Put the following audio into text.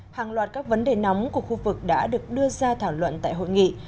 hàng loạt các vấn đề nóng của khu vực đã được đưa ra thảo luận tại hội nghị